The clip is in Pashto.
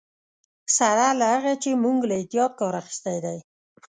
سره له هغه چې موږ له احتیاط کار اخیستی دی.